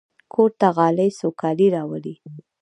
کور ته غالۍ سوکالي راولي.